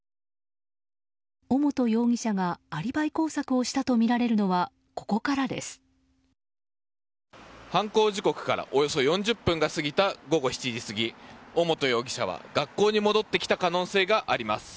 尾本容疑者がアリバイ工作をしたと犯行時刻からおよそ４０分が過ぎた午後７時過ぎ尾本容疑者は学校に戻ってきた可能性があります。